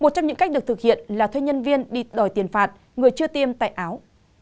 một trong những cách được thực hiện là thuê nhân viên đi đòi tiền phạt người chưa tiêm tại áo